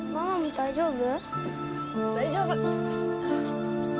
大丈夫。